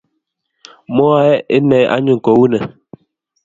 Mwae ine anyun ko u ni.